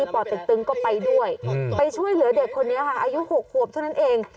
ป่อเต็กตึงก็ไปด้วยไปช่วยเหลือเด็กคนนี้ค่ะอายุ๖ขวบเท่านั้นเอง